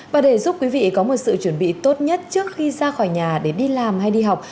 và để giúp quý vị có một sự chuẩn bị tốt nhất trước khi ra khỏi nhà để đi làm hay đi học